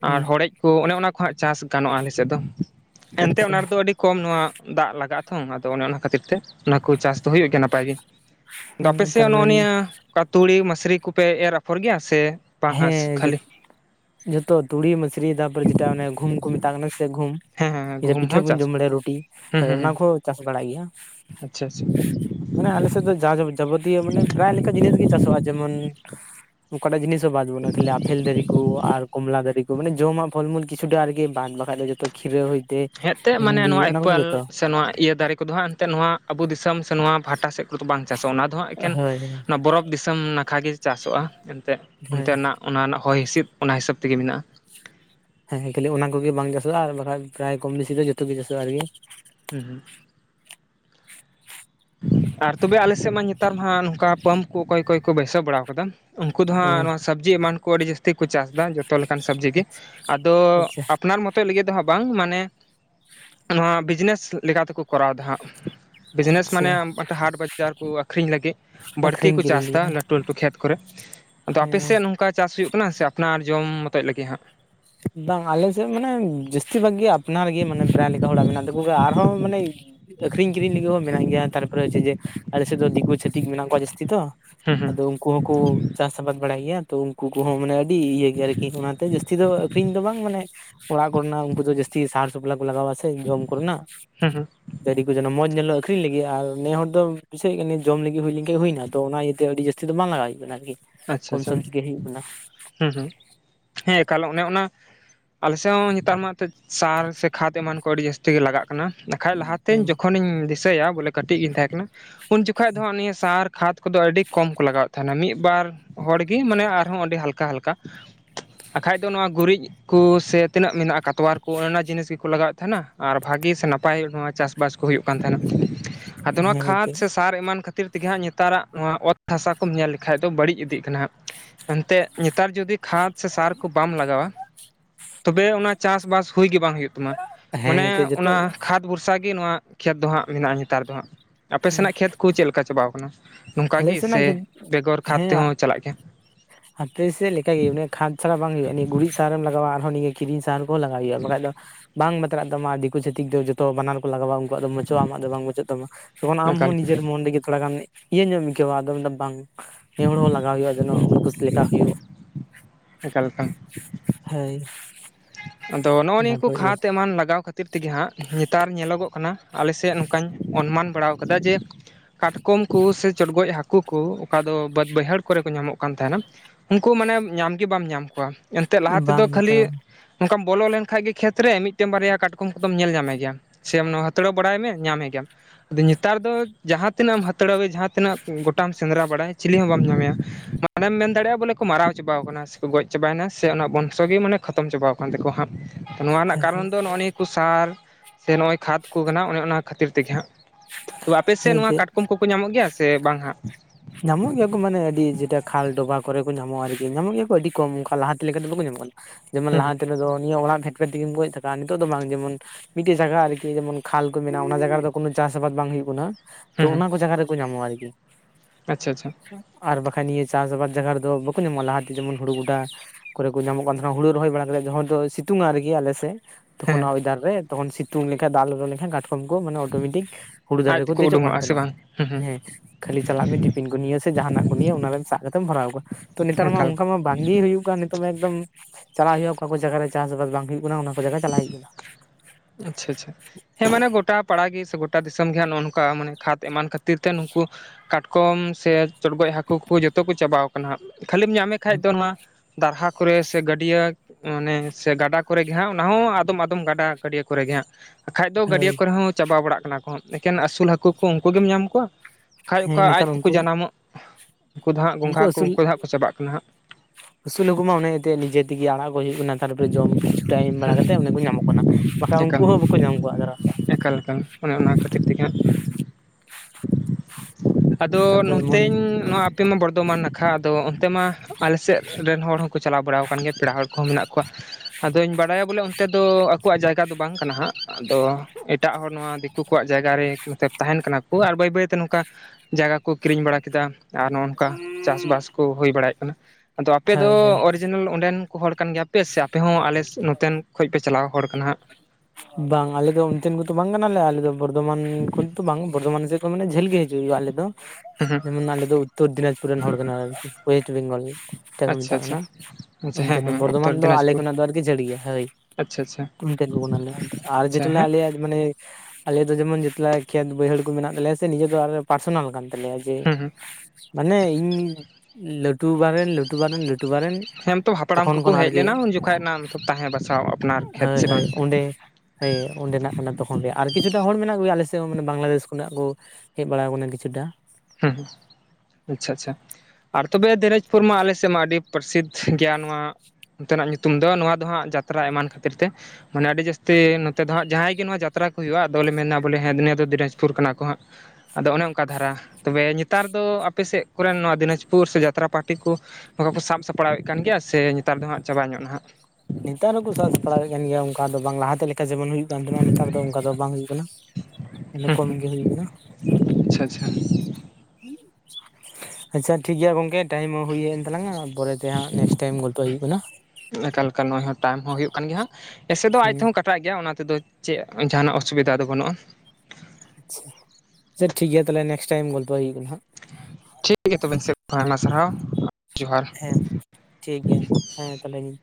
ᱟᱨ ᱦᱩᱸ ᱦᱚᱲᱮᱡ ᱠᱚ ᱚᱱᱮ ᱚᱱᱟ ᱠᱚᱦᱟᱸᱜ ᱪᱟᱥ ᱜᱟᱱᱚᱜ-ᱟ ᱟᱞᱮ ᱥᱮᱫ ᱫᱚ ᱮᱱᱛᱮ ᱟᱪᱪᱷᱟ ᱚᱱᱟ ᱨᱮᱫᱚ ᱟᱹᱰᱤ ᱠᱚᱢ ᱱᱚᱣᱟ ᱫᱟᱜ ᱞᱟᱜᱟᱜ-ᱟ ᱛᱷᱚ ᱟᱫᱚ ᱚᱱᱮ ᱚᱱᱟ ᱠᱷᱟᱹᱛᱤᱨ ᱛᱮ ᱚᱱᱟ ᱠᱩ ᱪᱟᱥ ᱫᱚ ᱦᱩᱭᱩᱜ ᱜᱮᱭᱟ ᱱᱟᱯᱟᱭ ᱜᱮ᱾ ᱫᱟᱯᱮ ᱦᱮᱸ ᱥᱮᱫ ᱱᱚᱜ-ᱚ ᱛᱟᱨᱢᱟᱱᱮ ᱱᱤᱭᱟᱹ ᱚᱠᱟ ᱛᱩᱲᱤ ᱢᱟᱹᱥᱨᱤ ᱠᱚᱯᱮ ᱮᱨ ᱟᱯᱷᱚᱨ ᱜᱮᱭᱟ ᱥᱮ ᱵᱟᱝ ᱦᱟᱸᱜ ᱦᱮᱸ ᱠᱷᱟᱹᱞᱤ ᱡᱚᱛᱚ ᱛᱩᱲᱤ ᱢᱟᱹᱥᱨᱤ ᱛᱟᱯᱚᱨᱮ ᱡᱮᱴᱟ ᱚᱱᱮ ᱜᱩᱦᱩᱢ ᱠᱚ ᱢᱮᱛᱟᱜ ᱠᱟᱱᱟ ᱥᱮ ᱜᱩᱦᱩᱢ ᱦᱮᱸ ᱦᱮᱸ ᱡᱮ ᱜᱩᱦᱩᱢ ᱯᱤᱴᱷᱟᱹ ᱦᱚᱸ ᱵᱩᱱ ᱪᱟᱥ ᱡᱚᱢ ᱵᱟᱲᱟᱭᱟ ᱨᱩᱴᱤ ᱦᱩᱸ ᱦᱮᱸ ᱦᱩᱸ ᱚᱱᱟ ᱦᱩᱸ ᱠᱚᱦᱚᱸ ᱪᱟᱥ ᱵᱟᱲᱟᱜ ᱜᱮᱭᱟ᱾ ᱟᱪᱪᱷᱟ ᱟᱪᱪᱷᱟ᱾ ᱢᱟᱱᱮ ᱟᱞᱮ ᱥᱮᱫ ᱫᱚ ᱡᱟ ᱡᱟᱵᱚᱛᱤᱭᱚ ᱢᱟᱱᱮ ᱯᱨᱟᱭ ᱞᱮᱠᱟ ᱡᱤᱱᱤᱥ ᱜᱮ ᱪᱟᱥᱚᱜ-ᱟ ᱡᱮᱢᱚᱱ ᱚᱠᱟᱴᱟᱜ ᱡᱤᱱᱤᱥ ᱵᱟᱫ ᱵᱚᱱᱟ ᱠᱷᱟᱹᱞᱤ ᱟᱯᱮᱞ ᱫᱟᱨᱮ ᱠᱚ ᱟᱨ ᱠᱚᱢᱞᱟ ᱫᱟᱨᱮ ᱠᱚ ᱢᱟᱱᱮ ᱡᱚᱢᱟᱜ ᱯᱷᱚᱞᱢᱩᱞ ᱠᱤᱪᱷᱩ ᱴᱟ ᱟᱨᱠᱤ ᱵᱟᱫ ᱵᱟᱠᱷᱟᱡ ᱫᱚ ᱡᱚᱛᱚ ᱠᱷᱤᱨᱟᱹ ᱦᱩᱭᱛᱮ ᱦᱮᱸ ᱮᱛᱮᱫ ᱢᱟᱱᱮ ᱱᱚᱣᱟ ᱤᱯᱟᱹᱮᱞ ᱥᱮ ᱱᱚᱣᱟ ᱤᱭᱟᱹ ᱫᱟᱨᱮ ᱠᱚᱫᱚ ᱦᱟᱸᱜ ᱮᱱᱛᱮᱜ ᱱᱚᱣᱟ ᱟᱵᱚ ᱫᱤᱥᱚᱢ ᱥᱮ ᱱᱚᱣᱟ ᱯᱟᱦᱴᱟ ᱥᱮᱫ ᱚᱱᱟ ᱛᱚ ᱵᱟᱝ ᱪᱟᱥᱚᱜ-ᱟ ᱚᱱᱟ ᱫᱚ ᱦᱟᱸᱜ ᱮᱠᱮᱱ ᱦᱳᱭ ᱚᱱᱟ ᱵᱚᱨᱚᱯᱷ ᱫᱤᱥᱚᱢ ᱱᱟᱠᱷᱟ ᱜᱮ ᱪᱟᱥᱚᱜ-ᱟ ᱮᱱᱛᱮ ᱦᱳᱭ ᱚᱱᱛᱮᱱᱟᱜ᱾ ᱚᱱᱟ ᱨᱮᱱᱟᱜ ᱦᱚᱭ ᱦᱤᱸᱥᱤᱫ ᱚᱱᱟ ᱦᱤᱥᱟᱹᱵᱽ ᱛᱮᱜᱮ ᱢᱮᱱᱟᱜ-ᱟ᱾ ᱦᱮᱸ ᱠᱷᱟᱹᱞᱤ ᱚᱱᱟ ᱠᱚᱜᱮ ᱵᱟᱝ ᱪᱟᱥᱚᱜ-ᱟ ᱟᱨ ᱵᱟᱠᱷᱟᱡ ᱯᱨᱟᱭ ᱠᱚᱢ ᱵᱮᱥᱤ ᱫᱚ ᱡᱚᱛᱚ ᱜᱮ ᱪᱟᱥᱚᱜ-ᱟ ᱟᱨᱠᱤ᱾ ᱦᱩᱸ ᱦᱩᱸ ᱟᱨ ᱛᱚᱵᱮ ᱟᱞᱮ ᱥᱮᱫ ᱢᱟ ᱱᱮᱛᱟᱨ ᱢᱟ ᱱᱚᱝᱠᱟ ᱯᱟᱢᱯ ᱠᱚ ᱚᱠᱚᱭ ᱚᱠᱚᱭ ᱠᱚ ᱵᱟᱹᱭᱥᱟᱹᱣ ᱵᱟᱲᱟ ᱠᱟᱫᱟ᱾ ᱩᱱᱠᱩ ᱫᱚ ᱚ ᱦᱟᱸᱜ ᱱᱚᱣᱟ ᱥᱚᱵᱽᱡᱤ ᱮᱢᱟᱱ ᱠᱚ ᱟᱹᱰᱤ ᱡᱟᱹᱥᱛᱤ ᱛᱤ ᱠᱚ ᱪᱟᱥ ᱫᱟ ᱡᱚᱛᱚ ᱞᱮᱠᱟᱱ ᱥᱚᱵᱽᱡᱤ ᱜᱮ ᱟᱪᱪᱷᱟ ᱟᱫᱚ ᱟᱪᱪᱷᱟ ᱟᱯᱱᱟᱨ ᱢᱚᱛᱚᱡ ᱞᱟᱹᱜᱤᱫ ᱫᱚᱦᱟᱸᱜ ᱵᱟᱝ ᱢᱟᱱᱮ ᱱᱚᱣᱟ ᱵᱤᱡᱽᱱᱮᱥ ᱞᱮᱠᱟ ᱛᱮᱠᱚ ᱠᱚᱨᱟᱣ ᱫᱟ ᱦᱟᱸᱜ ᱵᱤᱡᱽᱱᱮᱥ ᱟᱪᱪᱷᱟ ᱚᱠᱟᱴᱟ ᱦᱟᱴ ᱵᱟᱡᱟᱨ ᱠᱚ ᱟᱠᱷᱨᱤᱧ ᱞᱟᱹᱜᱤᱫ ᱵᱟᱹᱲᱛᱤ ᱟᱹᱠᱷᱨᱤᱧ ᱠᱚ ᱪᱟᱥ ᱠᱤᱨᱤᱧ ᱫᱟ ᱞᱟᱹᱜᱤᱫ ᱞᱟᱹᱴᱩ ᱞᱟᱹᱴᱩ ᱠᱷᱮᱛ ᱠᱚᱨᱮ ᱟᱫᱚ ᱟᱯᱮ ᱥᱮᱫ ᱦᱮᱸ ᱱᱚᱝ ᱠᱟ ᱪᱟᱥ ᱦᱩᱭᱩᱜ ᱠᱟᱱᱟ ᱥᱮ ᱟᱯᱱᱟᱨ ᱡᱚᱢ ᱢᱚᱛᱚᱡ ᱞᱟᱹᱜᱤᱫ ᱦᱟᱸᱜ? ᱵᱟᱝ ᱟᱞᱮ ᱥᱮᱫ ᱢᱟᱱᱮ ᱡᱟᱹᱥᱛᱤ ᱵᱷᱟᱜ ᱜᱮ ᱟᱯᱱᱟᱨ ᱜᱮ ᱢᱟᱱᱮ ᱯᱨᱟᱭ ᱞᱮᱠᱟ ᱦᱚᱲᱟᱜ ᱢᱮᱱᱟᱜ ᱛᱟᱠᱚ ᱜᱮ ᱟᱨᱦᱚᱸ ᱢᱟᱱᱮ ᱟᱹᱠᱷᱨᱤᱧ ᱠᱤᱨᱤᱧ ᱞᱟᱹᱜᱤᱫ ᱦᱚᱸ ᱢᱮᱱᱟᱜ ᱜᱮᱭᱟ ᱛᱟᱨᱯᱚᱨᱮ ᱡᱮᱡᱮ ᱟᱞᱮ ᱥᱮᱫ ᱫᱚ ᱫᱤᱠᱩ ᱪᱷᱟᱹᱛᱤᱠ ᱢᱮᱱᱟᱜ ᱠᱚᱣᱟ ᱡᱟᱹᱥᱛᱤ ᱛᱚ ᱦᱩᱸ ᱦᱩᱸ ᱟᱫᱚ ᱩᱱᱠᱩ ᱦᱚᱸᱠᱚ ᱪᱟᱥ ᱟᱵᱟᱫ ᱵᱟᱲᱟᱭ ᱜᱮᱭᱟ ᱛᱚ ᱩᱱᱠᱩ ᱠᱚᱦᱚᱸ ᱢᱟᱱᱮ ᱟᱹᱰᱤ ᱤᱭᱟᱹ ᱜᱮᱭᱟ ᱟᱨᱠᱤ ᱚᱱᱟᱛᱮ ᱡᱟᱹᱥᱛᱤ ᱫᱚ ᱟᱹᱠᱷᱨᱤᱧ ᱫᱚ ᱵᱟᱝ ᱢᱟᱱᱮ ᱚᱲᱟᱜ ᱠᱚ ᱨᱮᱱᱟᱜ ᱩᱱᱠᱩ ᱫᱚ ᱡᱟᱹᱥᱛᱤ ᱥᱟᱨ ᱥᱟᱯᱞᱟ ᱠᱚ ᱞᱟᱜᱟᱣᱟ ᱥᱮ ᱡᱚᱢ ᱠᱚ ᱨᱮᱱᱟᱜ ᱦᱩᱸ ᱦᱩᱸ ᱫᱟᱨᱤ ᱠᱚ ᱡᱮᱱᱚ ᱢᱚᱸᱡᱽ ᱧᱮᱞᱚᱜ ᱟᱹᱠᱷᱨᱤᱧ ᱞᱟᱹᱜᱤᱫ ᱟᱨ ᱱᱮ ᱦᱚᱲ ᱫᱚ ᱫᱤᱥᱟᱹᱭᱮᱫ ᱠᱟᱱ ᱜᱮᱭᱟ ᱡᱚᱢ ᱞᱟᱹᱜᱤᱫ ᱦᱩᱭ ᱞᱮᱱᱠᱟᱱ ᱦᱩᱭ ᱮᱱᱟ ᱛᱚ ᱚᱱᱟ ᱤᱭᱟᱹᱛᱮ ᱟᱹᱰᱤ ᱡᱟᱹᱥ ᱛᱷᱤ ᱫᱚ ᱵᱟᱝᱞᱟᱜᱟ ᱦᱩᱭᱩᱜ ᱟᱨᱠᱤ ᱟᱪᱪᱷᱟ ᱠᱚᱢ ᱟᱪᱪᱷᱟ ᱥᱚᱢ ᱦᱩᱸ ᱛᱮᱜᱮ ᱦᱩᱭᱩᱜ ᱠᱟᱱᱟ ᱦᱩᱸ ᱦᱮᱸ ᱮᱠᱟᱞ ᱚᱱᱮ ᱚᱱᱟ ᱟᱞᱮ ᱥᱮᱫ ᱦᱚᱸ ᱱᱮᱛᱟᱨ ᱢᱟ ᱮᱛᱮᱫ ᱥᱟᱨ ᱥᱮ ᱠᱷᱟᱛ ᱮᱢᱟᱱ ᱠᱚ ᱟᱹᱰᱤ ᱡᱟᱹᱥᱛᱤ ᱜᱮ ᱞᱟᱜᱟᱜ ᱠᱟᱱᱟ ᱵᱟᱠᱷᱟᱡ ᱞᱟᱦᱟᱛᱮ ᱦᱮᱸ ᱡᱚᱠᱷᱚᱱᱤᱧ ᱫᱤᱥᱟᱹᱭᱟ ᱵᱚᱞᱮ ᱠᱟᱹᱴᱤᱡ ᱜᱤᱧ ᱛᱟᱦᱮᱸ ᱠᱟᱱᱟ ᱩᱱ ᱡᱚᱠᱷᱟᱡ ᱫᱚ ᱦᱚᱜᱚ ᱱᱤᱭᱟᱹ ᱥᱟᱨ ᱠᱷᱟᱫᱽ ᱠᱚᱫᱚ ᱟᱹᱰᱤ ᱠᱚᱢ ᱠᱚ ᱞᱟᱜᱟᱣᱮᱫ ᱛᱟᱦᱮᱱᱟ ᱢᱤᱫᱵᱟᱨ ᱦᱚᱲ ᱜᱮ ᱢᱟᱱᱮ ᱟᱨᱦᱚᱸ ᱟᱹᱰᱤ ᱦᱟᱞᱠᱟ ᱦᱟᱞᱠᱟ ᱟᱠᱷᱟᱡ ᱫᱚ ᱱᱚᱣᱟ ᱜᱩᱨᱤᱡ ᱠᱚᱥ ᱥᱮ ᱛᱤᱱᱟᱹᱜ ᱢᱮᱱᱟᱜ ᱟᱠᱟᱫ ᱛᱚᱣᱟᱨ ᱠᱩ ᱚᱱ ᱚᱱᱟ ᱡᱤᱱᱤᱥ ᱜᱮᱠᱚ ᱞᱟᱜᱟᱣᱮᱫ ᱛᱟᱦᱮᱱᱟ ᱟᱨ ᱵᱷᱟᱜᱤ ᱥᱮ ᱱᱟᱯᱟᱭ ᱱᱚᱣᱟ ᱪᱟᱥᱵᱟᱥ ᱠᱚ ᱦᱩᱭᱩᱜ ᱠᱟᱱ ᱛᱟᱦᱮᱱᱟ ᱟᱫᱚ ᱱᱚᱣᱟ ᱠᱷᱟᱫ ᱮᱱᱛᱮᱫ ᱥᱮ ᱥᱟᱨ ᱮᱢᱟᱱ ᱠᱷᱟᱹᱛᱤᱨ ᱛᱮᱜᱮ ᱦᱟᱸᱜ ᱱᱮᱛᱟᱨᱟᱜ ᱱᱚᱣᱟ ᱚᱛ ᱦᱟᱥᱟ ᱠᱚᱢ ᱧᱮᱞ ᱞᱮᱠᱷᱟᱡ ᱫᱚ ᱵᱟᱹᱲᱤᱡ ᱤᱫ ᱤᱫᱤᱜ ᱠᱟᱱᱟ ᱦᱟᱸᱜ ᱮᱱᱛᱮ ᱱᱮᱛᱟᱨ ᱡᱩᱫᱤ ᱠᱷᱟᱫ ᱥᱮ ᱥᱟᱨ ᱠᱚ ᱵᱟᱢ ᱞᱟᱜᱟᱣᱟ ᱛᱚᱵᱮ ᱚᱱᱟ ᱪᱟᱥᱵᱟᱥ ᱦᱩᱭ ᱜᱮ ᱵᱟᱝ ᱦᱩᱭᱩᱜ ᱛᱟᱢᱟ ᱦᱮᱸ ᱢᱟᱱᱮ ᱮᱱᱛᱮᱫ ᱡᱚᱛᱚ ᱚᱱᱟ ᱠᱷᱟᱫᱽ ᱵᱩᱨ ᱥᱟ ᱜᱮ ᱱᱚᱣᱟ ᱠᱷᱮᱛ ᱫᱚ ᱦᱟᱸᱜ ᱢᱮᱱᱟᱜ-ᱟ ᱱᱮᱛᱟᱨ ᱫᱚ ᱦᱟᱸᱜ ᱟᱯᱮ ᱥᱮᱱᱟᱜ ᱠᱷᱮᱛ ᱠᱚ ᱪᱮᱫ ᱞᱮᱠᱟ ᱪᱟᱵᱟᱣ ᱠᱟᱱᱟ? ᱱᱚᱝᱠᱟ ᱜᱮ ᱥᱮ ᱵᱮᱜᱚᱨ ᱠᱷᱟᱛ ᱨᱮᱭᱟᱜ ᱟᱯᱮ ᱥᱮᱫ ᱞᱮᱠᱟᱜᱮ ᱩᱱᱟᱹᱜ ᱠᱷᱟᱫᱽ ᱪᱷᱟᱲᱟ ᱵᱟᱝ ᱦᱩᱭᱩᱜ-ᱟ ᱱᱤᱭᱟᱹ ᱜᱩᱨᱤᱡ ᱥᱟᱨᱮᱢ ᱞᱟᱜᱟᱣᱟ ᱟᱨᱦᱚᱸ ᱱᱤᱭᱟᱹ ᱠᱤᱨᱤᱧ ᱥᱟᱦᱟᱨ ᱠᱚᱦᱚᱸ ᱞᱟᱜᱟᱣ ᱦᱩᱭᱩᱜ-ᱟ ᱵᱟᱠᱷᱟᱡ ᱫᱚ ᱵᱟᱝ ᱵᱟᱛᱨᱟᱜ ᱛᱟᱢᱟ ᱫᱤᱠᱩ ᱪᱷᱟᱛᱤᱠ ᱫᱚ ᱡᱚ ᱛᱚ ᱵᱟᱱᱟᱨ ᱠᱚ ᱞᱟᱜᱟᱣᱟ ᱩᱱᱠᱩᱣᱟᱜ ᱫᱚ ᱢᱪᱚᱜᱼᱟ ᱟᱢᱟᱜ ᱫᱚ ᱵᱟᱝ ᱢᱚᱪᱚᱜ ᱛᱟᱢᱟ ᱛᱚ ᱟᱢ ᱮᱠᱟᱞ ᱦᱚᱸ ᱱᱤᱡᱮᱨ ᱢᱚᱱ ᱞᱟᱜᱤᱫ ᱛᱷᱚᱲᱟ ᱜᱟᱱ ᱤᱭᱟᱹ ᱧᱚᱜ ᱤᱠᱟᱹᱣᱟ ᱟᱫᱚ ᱢᱮᱱ ᱫᱟ ᱵᱟᱝ ᱱᱮ ᱦᱚᱲ ᱦᱚᱸ ᱞᱟᱜᱟᱣ ᱦᱩᱭᱩᱜᱼᱟ ᱡᱮᱱᱚ ᱩᱱᱠᱩ ᱞᱮᱠᱟ ᱦᱩᱭᱩᱜ ᱮᱠᱟᱞ ᱮᱠᱟᱞ ᱦᱮᱭ ᱟᱫᱚ ᱱᱚᱜᱚ ᱱᱤᱭᱟᱹ ᱠᱚ ᱠᱷᱟᱫ ᱮᱢᱟᱱ ᱞᱟᱜᱟᱣ ᱠᱟᱛ ᱛᱤᱨ ᱛᱮᱜᱮ ᱦᱟᱸᱜ ᱱᱮᱛᱟᱨ ᱧᱮᱞᱚᱜᱚᱜ ᱠᱟᱱᱟ ᱟᱞᱮ ᱥᱮᱫ ᱱᱚᱠᱟ. ᱧ ᱚᱱᱢᱟᱱ ᱵᱟᱲᱟᱣ ᱠᱟᱫᱟ ᱡᱮ ᱠᱟᱴᱠᱚᱢ ᱠᱚ ᱥᱮ ᱪᱰᱜᱚᱡ ᱦᱟᱹᱠᱩ ᱠᱚ ᱚᱠᱟ ᱫᱚ ᱵᱟᱹᱫᱽ ᱵᱟᱹᱭᱦᱟᱹᱲ ᱠᱚᱨᱮ ᱠᱚ ᱧᱟᱢᱚᱜ ᱠᱟᱱ ᱛᱟᱦᱮ ᱱᱟ ᱩᱱᱠᱩ ᱢᱟᱱᱮ ᱧᱟᱢᱜᱮ ᱵᱟᱢ ᱧᱟᱢ ᱠᱚᱣᱟ ᱮᱱᱛᱮ ᱞᱟᱦᱟ ᱛᱮᱫᱚ ᱵᱟᱝ ᱱᱮᱛᱟᱨ ᱠᱷᱟᱹᱞᱤ ᱱᱚᱝᱠᱟᱢ ᱵᱚᱞᱚ ᱞᱮᱱ ᱠᱷᱟᱱ ᱜᱮ ᱠᱷᱮᱛ ᱨᱮ ᱢᱤᱫᱴᱮᱱ ᱵᱟᱨᱭᱟ ᱠᱟᱴᱠᱚᱢ ᱠᱚᱫᱚᱢ ᱧᱮᱞ ᱧᱟᱢᱮ ᱜᱮᱭᱟ ᱥᱮᱟᱢ ᱦᱟᱛᱲᱟᱹᱣ ᱵᱟᱲᱟᱭ ᱢᱮ ᱧᱟᱢᱮ ᱜᱮᱭᱟᱢ ᱱᱮᱛᱟᱨ ᱫᱚ ᱡᱟᱦᱟ ᱛᱤᱱᱟᱜ ᱮᱢ ᱦᱟᱛᱲᱟᱣ ᱡᱟᱦᱟ ᱛᱤᱱᱟᱹᱜ ᱜᱚᱴᱟᱢ ᱥᱮᱸᱫᱽᱨᱟ ᱵᱟᱲᱟᱭᱟ ᱪᱤᱞᱤ ᱦᱚᱸ ᱵᱟᱢ ᱧᱟᱢᱮᱭᱟ ᱚᱱᱮᱢ ᱢᱮᱱ ᱫᱟᱲᱮᱭᱟᱜᱼᱟ ᱵᱚᱞᱮ ᱠᱚ ᱢᱟᱨᱟᱣ ᱪᱟᱵᱟ ᱟᱠᱟᱱᱟ ᱥᱮ ᱠᱚ ᱜᱚᱡ ᱪᱟᱵᱟᱭᱮᱱᱟ ᱥᱮ ᱚᱱᱟ ᱵᱚᱝᱥᱚ ᱜᱮ ᱢᱟᱱᱮ ᱠᱷᱚᱛᱚᱢ ᱪᱟᱵᱟ ᱠᱟᱱ ᱛᱟᱠᱚᱣᱥ ᱦᱟᱸᱜ ᱱᱚᱣᱟ ᱨᱮᱱᱟᱜ ᱦᱮᱸ ᱦᱮᱸ ᱠᱟᱨᱚᱱ ᱫᱚ ᱱᱚᱜᱚ ᱱᱤᱭᱟᱹ ᱠᱩᱥᱟᱨ ᱥᱮ ᱱᱚᱜᱚᱭ ᱠᱷᱟᱫᱽ ᱠᱚ ᱠᱟᱱᱟ ᱚᱱᱮ ᱚᱱᱟ ᱠᱷᱟᱹᱛᱤᱨ ᱛᱮᱜᱮ ᱦᱟᱸᱜ ᱛᱚ ᱟᱯᱮ ᱥᱮᱫ ᱪᱮᱫ ᱱᱚᱣᱟ ᱠᱟᱴᱠᱚᱢ ᱠᱚᱠᱚ ᱧᱟᱢᱚᱜ ᱜᱮᱭᱟ ᱥᱮ ᱵᱟᱝ ᱦᱟᱸᱜᱲ? ᱧᱟᱢᱚᱜ ᱜᱮᱭᱟ ᱠᱚ ᱢᱟᱱᱮ ᱟᱹᱰᱤ ᱡᱮᱴᱟ ᱠᱷᱟᱞ ᱰᱚᱵᱟ ᱠᱚᱨᱮ ᱠᱚ ᱧᱟᱢᱚᱜᱼᱟ ᱟᱨᱠᱤ ᱧᱟᱢᱚᱜ ᱜᱮᱭᱟ ᱠᱚ ᱟᱹᱰᱤ ᱠᱚᱢ ᱚᱱᱠᱟ ᱞᱟᱦᱟ ᱞᱮᱠᱟᱛᱮ ᱵᱟᱠᱚ ᱧᱟᱢᱚᱜ ᱠᱟᱱᱟ ᱡᱮᱢᱚᱱ ᱦᱩᱸ ᱦᱩᱸ ᱞᱟᱦᱟ ᱛᱮᱫᱚ ᱱᱤᱭᱟᱹ ᱚᱲᱟᱜ ᱵᱷᱮᱫ ᱯᱮ ᱛᱮᱜᱮᱢ ᱜᱚᱡ ᱛᱷᱟᱠᱟ ᱟ ᱱᱤᱛᱚᱜ ᱫᱚ ᱵᱟᱝ ᱡᱮᱢᱱ ᱢᱤᱫᱴᱮᱡ ᱡᱟᱭᱜᱟ ᱨᱤᱜᱩ ᱡᱮᱢᱚᱱ ᱠᱷᱟᱞ ᱠᱚ ᱢᱮᱱᱟᱜᱼᱟ ᱚᱱᱟ ᱡᱜᱟ ᱨᱮᱫᱚ ᱠᱳᱱᱚ ᱪᱟᱥ ᱟᱵᱟᱫ ᱵᱟᱝ ᱦᱳᱭᱳᱜ ᱠᱟᱱᱟ ᱛᱚ ᱚᱱᱟ ᱠᱚ ᱡᱟᱭᱜᱟ ᱨᱮᱠᱚ ᱧᱟᱢᱚᱜᱼᱟ ᱟᱨᱠᱤ ᱟᱪᱷᱟ ᱟᱪᱷᱟ ᱟᱨ ᱵᱟᱠᱟᱱ ᱱᱤᱭᱟᱹ ᱪᱟᱥ ᱟᱵᱟᱫ ᱡᱟᱭᱜᱟ ᱨᱮᱫᱚ ᱵᱟᱠᱚ ᱧᱟᱢᱚᱜᱼᱟ ᱞᱟᱦᱟ ᱡᱮᱢᱚᱱ ᱦᱩᱲᱩ ᱜᱚᱰᱟᱼᱼ ᱠᱚᱨᱮ ᱠᱚ ᱧᱟᱢᱚᱜ ᱠᱟᱱ ᱛᱟᱦᱮᱱᱟ ᱦᱩᱲᱩ ᱨᱚᱦᱚᱭ ᱵᱟᱲᱟ ᱠᱟᱛᱮᱫ ᱡᱟᱦᱟᱸᱭ ᱫᱚ ᱥᱤᱛᱩᱝᱼᱟ ᱨᱮᱜᱮ ᱟᱞᱮ ᱥᱮᱫᱼᱼ ᱛᱚᱠᱷᱚᱱ ᱦᱮᱸ ᱚᱱᱟ ᱚᱭᱮᱫᱟᱨ ᱨᱮ ᱛᱚᱠᱷᱚᱱᱟᱜ ᱳᱭᱮᱫᱟᱨ ᱨᱮ ᱛᱚᱠᱷᱚᱱ ᱥᱤᱛᱩᱝ ᱞᱮᱠᱷᱟᱱ ᱫᱟᱜ ᱞᱚᱞᱚ ᱞᱮᱠᱷᱟᱱ ᱠᱟᱴᱠᱚᱢ ᱠᱚ ᱢᱟᱱᱮ ᱚᱴᱳᱢᱮᱴᱤᱠᱼᱼ ᱦᱩᱲᱩ ᱫᱟᱨᱮ ᱟᱡ ᱨᱮᱠᱚ ᱛᱮᱠᱚ ᱫᱮᱡᱚᱜ ᱠᱟᱱ ᱩᱰᱩᱝᱚᱜᱼᱟ ᱥᱮ ᱛᱟᱦᱮᱱᱚᱜ ᱵᱟᱝ? ᱦᱩᱸ ᱦᱩᱸ ᱦᱮᱸ᱾ ᱠᱷᱟᱹᱞᱤ ᱪᱟᱞᱟᱜ ᱢᱮ ᱴᱤᱯᱤᱱ ᱠᱚ ᱱᱤᱭᱟᱹ ᱥᱮ ᱡᱟᱦᱟᱱᱟᱜ ᱠᱚ ᱱᱤᱭᱟᱹ ᱚᱱᱟ ᱨᱮᱢ ᱥᱟᱵ ᱠᱟᱛᱮᱢ ᱵᱷᱚᱨᱟᱣ ᱠᱚᱣᱟ᱾ ᱛᱚ ᱱᱮᱛᱟᱨ ᱢᱟ ᱮᱠᱟᱞ ᱚᱱᱠᱟ ᱢᱟ ᱵᱟᱝᱜᱮ ᱦᱳᱭᱳᱜ ᱠᱟᱱᱼᱼ ᱛᱚᱵᱮ ᱮᱠᱫᱚᱢ ᱪᱟᱞᱟᱜ ᱦᱳᱭᱼᱟ ᱚᱠᱟ ᱠᱚ ᱡᱟᱭᱜᱟ ᱨᱮ ᱪᱟᱥᱵᱟᱥ ᱵᱟᱝ ᱦᱩᱭᱩᱜ ᱠᱟᱱᱟ ᱚᱱᱟ ᱠᱚ ᱡᱟᱭᱜᱟ ᱪᱟᱞᱟᱜ ᱦᱩᱭᱩᱜ ᱠᱟᱱᱟ᱾ ᱟᱪᱪᱷᱟ ᱟᱪᱪᱷᱟ᱾ ᱦᱮᱸ ᱢᱟᱱᱮ ᱜᱚᱴᱟ ᱯᱟᱲᱟ ᱜᱮ ᱥᱮ ᱜᱚᱴᱟ ᱫᱤᱥᱚᱢ ᱜᱮ ᱦᱟᱜ ᱱᱚᱜ ᱱᱚᱝᱠᱟ ᱢᱟᱱᱮ ᱠᱷᱟᱛ ᱮᱢᱟᱱ ᱠᱷᱟᱹᱛᱤᱨ ᱛᱮ ᱱᱩᱱᱠᱩᱼᱼ ᱠᱟᱴᱠᱚᱢ ᱥᱮ ᱪᱚᱲᱜᱚᱡ ᱦᱟᱹᱠᱩ ᱠᱚ ᱡᱚᱛᱚ ᱠᱚ ᱪᱟᱵᱟ ᱠᱚᱼᱼ ᱠᱷᱟᱹᱞᱤᱢ ᱧᱟᱢᱮ ᱠᱷᱟᱡ ᱫᱚ ᱱᱚᱣᱟ ᱫᱟᱨᱦᱟ ᱠᱚᱨᱮ ᱥᱮ ᱜᱟᱹᱰᱭᱟᱹ ᱢᱟᱱᱮᱼᱼ ᱥᱮ ᱜᱟᱰᱟ ᱠᱚᱨᱮ ᱜᱮ ᱦᱟᱸᱜᱼᱼ ᱟᱫᱚᱢ ᱟᱫᱚᱢ ᱜᱟᱰᱟ ᱜᱟᱹᱰᱭᱟᱹ ᱠᱚᱨᱮ ᱜᱮ ᱦᱟᱸᱜ ᱵᱟᱠᱷᱟᱡ ᱫᱚ ᱦᱳᱭ ᱜᱟᱹᱰᱭᱟᱹ ᱠᱚᱨᱮ ᱦᱚᱸ ᱪᱟᱵᱟ ᱵᱟᱲᱟᱜ ᱠᱟᱱᱟ ᱠᱚ ᱮᱠᱮᱱᱼᱼ ᱩᱞ ᱦᱟᱹᱠᱩ ᱠᱚ ᱩᱱᱠᱩ ᱜᱮᱢ ᱧᱟᱢ ᱠᱚᱣᱟ ᱵᱟᱠᱷᱟᱡ ᱦᱮᱸ ᱚᱠᱟ ᱟᱡ ᱱᱮᱛᱟᱨ ᱛᱮᱠᱚ ᱩᱱᱠᱩ ᱡᱟᱱᱟᱢᱚᱜᱼᱼ ᱩᱱᱠᱩ ᱫᱚ ᱦᱟᱸᱜ ᱜᱚᱝᱜᱷᱟ ᱠᱚ ᱩᱱᱠᱩ ᱫᱚ ᱦᱟᱸᱜ ᱠᱚ ᱪᱟᱵᱟᱜ ᱠᱟᱱᱟ ᱦᱟᱸᱜ᱾ ᱟᱹᱥᱩᱞ ᱦᱟᱠᱩ ᱢᱟ ᱚᱱᱮᱛᱮ ᱱᱤᱡᱮ ᱛᱮᱜᱮ ᱟᱲᱟᱜ ᱠᱚ ᱦᱩᱭᱩᱜ ᱠᱟᱱᱟ ᱛᱟᱨᱯᱚᱨᱮ ᱡᱚᱢ ᱠᱤᱪᱷᱩᱴᱟ ᱮᱢ ᱵᱟᱲᱟ ᱠᱟᱛᱮ ᱦᱮᱸ ᱚᱱᱮ ᱠᱚ ᱧᱟᱢᱚᱜ ᱠᱟᱱᱟᱼᱼ ᱠᱟᱱᱟ ᱵᱟᱠᱷᱟᱡ ᱩᱱᱠᱩ ᱮᱠᱟᱞ ᱦᱚᱸ ᱵᱟᱠᱚ ᱧᱟᱢ ᱠᱚᱣᱟ ᱫᱟᱨᱟ᱾ ᱮᱠᱟᱞ ᱮᱠᱟᱞ ᱚᱱᱮ ᱚᱱᱟ ᱠᱷᱟᱹᱛᱤᱨ ᱛᱮᱜᱮ ᱦᱟᱸᱜ *unintelligible* ᱟᱫᱚ ᱱᱚᱛᱮᱧᱼᱼ ᱱᱚᱣᱟ ᱟᱯᱮ ᱢᱟ ᱵᱚᱨᱫᱷᱚᱢᱟᱱ ᱱᱟᱠᱷᱟ ᱟᱫᱚ ᱚᱱᱛᱮ ᱢᱟ ᱟᱞᱮᱥᱮᱫ ᱨᱮᱱ ᱦᱚᱲ ᱦᱚᱼᱼ ᱠᱚ ᱪᱟᱞᱟᱣ ᱵᱟᱲᱟᱣ ᱠᱟᱱ ᱜᱮᱭᱟ ᱯᱮᱲᱟ ᱦᱚᱲ ᱠᱚᱦᱚᱸ ᱢᱮᱱᱟᱜ ᱠᱚᱣᱟ ᱟᱫᱚᱧ ᱵᱟᱲᱟᱭᱟ ᱵᱚᱞᱮ ᱚᱱᱛᱮ ᱫᱚᱼᱼ ᱩᱱᱠᱩᱣᱟᱜ ᱡᱟᱭᱜᱟ ᱫᱚ ᱵᱟᱝ ᱠᱟᱱᱟ ᱦᱟᱸᱜ ᱟᱫᱚᱼᱼ ᱮᱴᱟᱜ ᱦᱚᱲ ᱱᱚᱣᱟ ᱫᱤᱠᱩ ᱠᱚᱣᱟᱜ ᱡᱟᱭᱜᱟᱨᱮ ᱢᱚᱛᱚ ᱛᱟᱦᱮᱱ ᱠᱟᱱᱟ ᱠᱚ ᱟᱨ ᱵᱟᱹᱭ ᱵᱟᱹᱭ ᱛᱮ ᱱᱚᱝᱠᱟᱼᱼ ᱡᱟᱭᱜᱟ ᱠᱚ ᱠᱤᱨᱤᱧ ᱵᱟᱲᱟ ᱠᱮᱫᱟ, ᱟᱨ ᱱᱚᱜᱱᱚᱝᱠᱟ ᱪᱟᱥᱵᱟᱥ ᱠᱚ ᱦᱳᱭ ᱵᱟᱲᱟ ᱠᱟᱱᱟ ᱟᱫᱚ ᱟᱯᱮ ᱫᱚ ᱦᱳᱭ ᱦᱳᱭ ᱚᱨᱤᱡᱤᱱᱟᱞᱼᱼ ᱚᱸᱰᱮᱱ ᱠᱚ ᱦᱚᱲ ᱠᱟᱱ ᱜᱮᱭᱟᱯᱮ ᱥᱮ ᱟᱯᱮ ᱦᱚᱸ ᱟᱞᱮ ᱱᱚᱛᱮᱱ ᱠᱷᱚᱡ ᱯᱮ ᱪᱟᱞᱟᱣ ᱦᱚᱲ ᱠᱟᱱᱟ ᱦᱟᱜ? *unintelligible* ᱵᱟᱝ ᱟᱞᱮᱫᱚ ᱚᱱᱛᱮᱱ ᱠᱚᱛᱚ ᱵᱟᱝ ᱠᱟᱱᱟᱞᱮ ᱟᱞᱮᱫᱚ ᱵᱟᱝ ᱟᱞᱮ ᱫᱚ ᱚᱱᱛᱮᱱ ᱠᱚᱫᱚ ᱵᱟᱝ ᱠᱟᱱᱟᱞᱮ ᱟᱞᱮ ᱫᱚ ᱵᱚᱨᱫᱷᱚᱢᱟᱱ ᱠᱷᱚᱱ ᱛᱚ ᱵᱟᱝ ᱵᱚᱨᱫᱷᱚᱢᱟᱱ ᱥᱮᱫ ᱠᱷᱚᱱ ᱢᱟᱱᱮ ᱡᱷᱟᱹᱞ ᱜᱮ ᱦᱤᱡᱩᱜ ᱦᱩᱭᱩᱜᱼᱟ ᱟᱞᱮ ᱫᱚ ᱦᱮᱸ ᱦᱮᱸ ᱡᱮᱢᱚᱱ ᱟᱞᱮ ᱫᱚ ᱩᱛᱛᱚᱨ ᱫᱤᱱᱟᱡᱽᱯᱩᱨ ᱨᱮᱱ ᱦᱚᱲ ᱠᱟᱱᱟ ᱞᱮ ᱟᱨᱠᱤ ᱚᱭᱮᱥᱴ ᱵᱮᱝᱜᱚᱞ᱾ ᱚᱱᱛᱮ ᱠᱚ ᱟᱪᱪᱷᱟ ᱢᱮᱛᱟᱜ ᱟᱪᱪᱷᱟ ᱠᱟᱱᱟ ᱟᱪᱪᱷᱟ ᱚᱱᱛᱮ ᱦᱮᱸ ᱫᱚ ᱦᱮᱸ ᱩᱛᱛᱚᱨ ᱵᱚᱨᱫᱷᱚᱢᱟᱱ ᱫᱚ ᱟᱞᱮᱼᱼ ᱫᱤᱱᱟᱡᱽᱯᱩᱨ ᱟᱨᱠᱤ ᱡᱟᱹᱲ ᱜᱮᱭᱟ ᱦᱳᱭ ᱟᱪᱪᱷᱟ ᱟᱪᱪᱷᱟ ᱚᱱᱛᱮᱱᱠᱩ ᱠᱟᱱᱟᱞᱮ ᱟᱨ ᱟᱪᱪᱷᱟ ᱡᱮᱴᱟᱞᱮ ᱦᱮᱸ ᱟᱞᱮᱭᱟᱜᱼᱼ ᱢᱟᱱᱮ ᱟᱞᱮ ᱫᱚ ᱡᱮᱢᱚᱱ ᱡᱚᱛᱞᱟᱭ ᱠᱷᱮᱛ ᱵᱟᱹᱭᱦᱟᱹᱲ ᱠᱚ ᱢᱮᱱᱟᱜ ᱛᱟᱞᱮᱭᱟ ᱥᱮ ᱱᱤᱡᱮ ᱫᱚ ᱟᱨ ᱯᱟᱨᱥᱚᱱᱟᱞ ᱠᱟᱱᱼᱼ ᱛᱟᱞᱮᱭᱟ ᱡᱮ ᱦᱮᱸ ᱦᱮᱸ ᱢᱟᱱᱮ ᱤᱧ ᱞᱟᱹᱴᱩ ᱵᱟᱨ ᱨᱮᱱ ᱞᱟᱹᱴᱩ ᱵᱟᱨ ᱨᱮᱱ ᱞᱟᱼᱼ ᱦᱮᱸᱢ ᱛᱚ ᱦᱟᱯᱲᱟᱢ ᱠᱚᱠᱚ ᱦᱮᱡ ᱞᱮᱱᱟ ᱩᱱ ᱡᱚᱠᱷᱚᱡ ᱚᱱᱟᱚ ᱛᱟᱦᱮᱸ ᱵᱟᱥᱟᱣ ᱟᱯᱱᱟᱨ ᱠᱷᱮᱛ ᱥᱮ ᱵᱟᱝ, ᱦᱮᱸ ᱚᱸᱰᱮᱱᱟᱜ ᱠᱟᱱᱟ ᱛᱚᱠᱷᱚᱱ ᱜᱮ ᱟᱨ ᱠᱤᱪᱷᱩᱴᱟ ᱦᱚᱲ ᱢᱮᱱᱟᱜ ᱠᱚᱜᱭᱟ ᱟᱞᱮ ᱥᱮᱫ ᱦᱚᱸ ᱢᱟᱱᱮ ᱵᱟᱝᱞᱟᱫᱮᱥ ᱠᱷᱚᱱᱟᱜ ᱠᱚᱼᱼ ᱦᱮᱡ ᱵᱟᱲᱟᱣ ᱟᱠᱟᱱᱟ ᱠᱤᱪᱷᱩᱴᱟ, ᱦᱩᱸ ᱟᱪᱪᱷᱟ ᱟᱪᱪᱷᱟ ᱟᱨ ᱛᱚᱵᱮ ᱫᱤᱱᱟᱡᱽᱯᱩᱨ ᱢᱟ ᱟᱞᱮᱥᱮᱫ ᱢᱟ ᱟᱹᱰᱤᱼᱼ ᱯᱨᱚᱥᱤᱫ ᱜᱮᱭᱟ ᱱᱚᱣᱟ ᱚᱱᱛᱮᱱᱟᱜ ᱧᱩᱛᱩᱢ ᱫᱚ ᱱᱚᱣᱟ ᱫᱚ ᱦᱟᱸᱜ ᱡᱟᱛᱨᱟ ᱮᱢᱟᱱ ᱠᱷᱟᱹᱛᱤᱨ ᱛᱮᱼᱼ ᱢᱟᱱᱮ ᱟᱹᱰᱤ ᱡᱟᱹᱥᱛᱤ ᱱᱚᱛᱮ ᱫᱚ ᱦᱟᱸᱜ ᱡᱟᱦᱟᱸᱭ ᱜᱮ ᱱᱚᱣᱟ ᱡᱟᱛᱨᱟ ᱠᱚ ᱦᱩᱭᱩᱜᱼᱟ ᱟᱫᱚᱞᱮ ᱢᱮᱱᱟ ᱵᱚᱞᱮ ᱦᱮᱸ ᱱᱤᱭᱟᱹ ᱫᱚ ᱫᱤᱱᱟᱡᱽᱯᱩᱨ ᱠᱟᱱᱟ ᱠᱚ ᱦᱟᱸᱜ᱾ ᱟᱫᱚ ᱚᱱᱮ ᱚᱱᱠᱟ ᱫᱷᱟᱨᱟ ᱛᱚᱵᱮ ᱱᱮᱛᱟᱨ ᱫᱚ ᱟᱯᱮ ᱥᱮᱫ ᱠᱚᱨᱮᱱ ᱱᱚᱣᱟ ᱫᱤᱱᱟᱡᱽᱯᱩᱨ ᱥᱮ ᱡᱟᱛᱨᱟ ᱯᱟᱨᱴᱤ ᱠᱩᱼᱼ ᱚᱝᱠᱟ ᱠᱚ ᱥᱟᱵ ᱥᱟᱯᱲᱟᱣᱮᱫ ᱠᱟᱱ ᱜᱮᱭᱟ ᱥᱮ ᱱᱮᱛᱟᱨ ᱫᱚ ᱦᱟᱸᱜ ᱪᱟᱵᱟ ᱧᱚᱜ ᱱᱟᱦᱟᱸᱜ᱾ ᱱᱮᱛᱟᱨ ᱦᱚᱸᱠᱚ ᱥᱟᱵ ᱥᱟᱯᱲᱟᱣᱮᱫ ᱠᱟᱱ ᱜᱮᱭᱟ ᱚᱱᱠᱟ ᱫᱚ ᱵᱟᱝ ᱞᱟᱦᱟᱛᱮ ᱞᱮᱠᱟ ᱡᱮᱢᱚᱱ ᱦᱩᱭᱩᱜᱼᱼ ᱦᱩᱭᱩᱜ ᱠᱟᱱ ᱛᱟᱦᱮᱚᱜᱱᱟ ᱱᱮᱛᱟᱨ ᱫᱚ ᱚᱱᱠᱟ ᱫᱚ ᱵᱟᱝ ᱦᱩᱭᱩᱜ ᱠᱟᱱᱟ ᱮᱫᱚ ᱠᱚᱢ ᱜᱮ ᱦᱩᱭᱩᱜ ᱠᱟᱱᱟ᱾ ᱟᱪᱪᱷᱟ ᱟᱪᱪᱷᱟ᱾ ᱟᱪᱪᱷᱟ ᱴᱷᱤᱠ ᱜᱮᱭᱟ ᱜᱚᱝᱠᱮ, ᱴᱟᱭᱤᱢ ᱦᱚᱸ ᱦᱩᱭᱮᱱ ᱛᱟᱞᱟᱝ-ᱟ ᱟᱨ ᱯᱚᱨᱮ ᱛᱮ ᱦᱟᱸᱜ ᱱᱮᱠᱥᱴ ᱴᱟᱭᱤᱢ ᱜᱚᱞᱯᱚ ᱦᱩᱭᱩᱜ ᱠᱟᱱᱟ ᱾ ᱮᱠᱟ ᱮᱠᱟᱞ, ᱱᱚᱜᱚᱭ ᱦᱚᱸ ᱴᱟᱭᱤᱢ ᱦᱚᱸ ᱦᱩᱭᱩᱜ ᱠᱟᱱ ᱜᱮᱭᱟ ᱦᱟᱸᱜ, ᱮᱥᱮ ᱫᱚ ᱟᱡ ᱦᱮᱸ ᱛᱮᱦᱚ ᱠᱟ ᱴᱟᱜ ᱜᱮᱭᱟ ᱚᱱᱟ ᱛᱮᱫᱚ ᱪᱮᱫ ᱡᱟᱦᱟᱱᱟᱜ ᱚᱥᱩᱵᱤᱫᱟ ᱫᱚ ᱵᱟᱹᱱᱩᱜᱼᱟ ᱾ ᱟᱪᱪᱷᱟ ᱾ ᱟᱪᱪᱷᱟ ᱴᱷᱤᱠ ᱜᱮᱭᱟ ᱛᱟᱦᱞᱮ ᱱᱮᱠᱥᱴ ᱴᱟᱭᱤᱢ ᱜᱚᱞᱯᱚ ᱦᱩᱭᱩᱜ ᱠᱟᱱᱟ ᱦᱟᱸᱜ ᱾ ᱴᱷᱤᱠ ᱜᱮᱭᱟ ᱛᱚᱵᱮ ᱤᱧ ᱥᱮᱫ ᱠᱷᱚᱱᱟᱜ ᱟᱭᱢᱟ ᱥᱟᱨᱦᱟᱣ ᱾ ᱦᱮᱸ ᱴᱷᱤᱠ ᱜᱮᱭᱟ, ᱦᱮᱸ ᱛᱟᱦᱚᱞᱮ ᱤᱧ